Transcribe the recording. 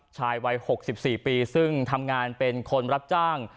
ชายวัย๖๔ปีซึ่งทำงานเป็นคนรับจ้าง